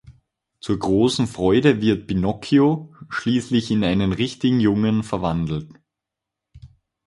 Zur großen Freude wird Pinocchio schließlich in einen richtigen Jungen verwandelt.